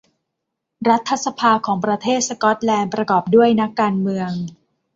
รัฐสภาของประเทศสก๊อตแลนด์ประกอบด้วยนักการเมือง